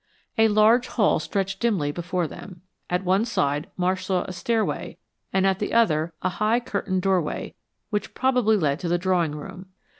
A large hall stretched dimly before them. At one side, Marsh saw a stairway and at the other a high curtained doorway, which probably led to the drawing room.